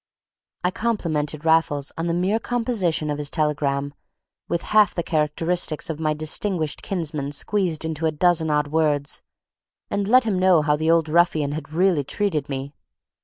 I complimented Raffles on the mere composition of his telegram, with half the characteristics of my distinguished kinsman squeezed into a dozen odd words; and let him know how the old ruffian had really treated me.